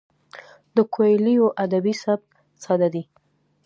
د کویلیو ادبي سبک ساده دی.